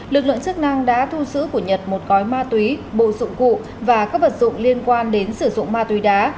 lực lượng chức năng đã thu giữ của nhật một gói ma túy bộ dụng cụ và các vật dụng liên quan đến sử dụng ma túy đá